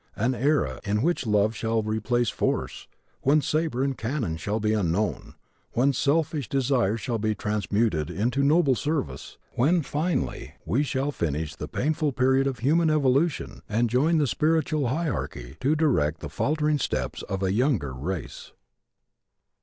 an era in which love shall replace force, when saber and cannon shall be unknown, when selfish desires shall be transmuted into noble service, when, finally, we shall finish the painful period of human evolution and join the spiritual hierarchy to direct the faltering steps of a younger race.